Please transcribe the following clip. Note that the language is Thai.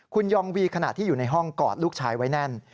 คุณยองวีขณะที่อยู่ในห้องกอดลูกชายไว้แน่น